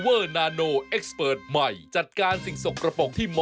ไม่น่าเชื่อว่าจะมีเรื่องแบบนี้